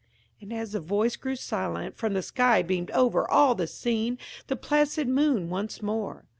And as the voice grew silent, from the sky beamed over all the scene the placid moon once more.